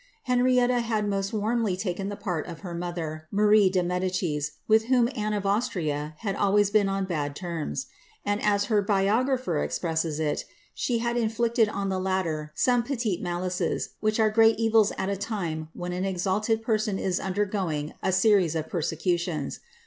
Henrietta had most warmly taken the part of her mother, Marie de Medicis, with whom Anne of Austria had always been on bad terms; and, as her biographer expresses it, she had inflicted on the latter some petites malices^ which are great evils at a time when an exalted pertoa is undergoing a series of persecutions.